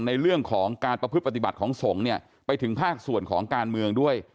ในเรื่องของการประพฤติปฏิบัติของสงฆ์เนี่ยไปถึงภาคส่วนของการเมืองด้วย